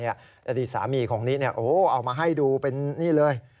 อดีตสามีของนี้เอามาให้ดูเป็นนี่เลย